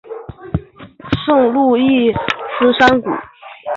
多见于科罗拉多州的圣路易斯山谷。